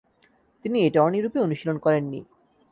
তিনি এটর্নিরূপে অনুশীলন করেননি।